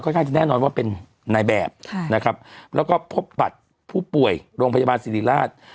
ข้างจะแน่นอนว่าเป็นนายแบบนะครับแล้วก็พบบัตรผู้ป่วยโรงพยาบาลศิริราช